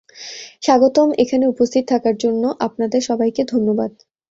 স্বাগতম এখানে উপস্থিত থাকার জন্য আপনাদের সবাইকে ধন্যবাদ।